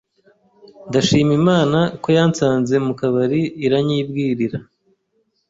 Ndashima Imana ko yansanze mu kabari iranyibwirira